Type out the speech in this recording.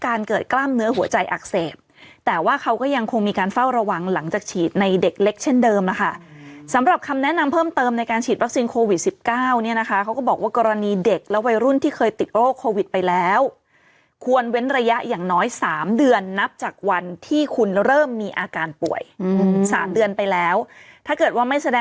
เกิดกล้ามเนื้อหัวใจอักเสบแต่ว่าเขาก็ยังคงมีการเฝ้าระวังหลังจากฉีดในเด็กเล็กเช่นเดิมนะคะสำหรับคำแนะนำเพิ่มเติมในการฉีดวัคซีนโควิดสิบเก้าเนี่ยนะคะเขาก็บอกว่ากรณีเด็กและวัยรุ่นที่เคยติดโรคโควิดไปแล้วควรเว้นระยะอย่างน้อย๓เดือนนับจากวันที่คุณเริ่มมีอาการป่วยสามเดือนไปแล้วถ้าเกิดว่าไม่แสดง